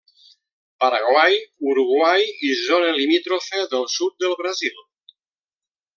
Paraguai, Uruguai i zona limítrofa del sud de Brasil.